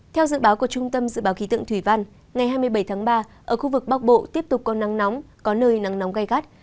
theo dự báo của trung tâm dự báo khí tượng thủy văn ngày hai mươi bảy tháng ba ở khu vực bắc bộ tiếp tục có nắng nóng có nơi nắng nóng gai gắt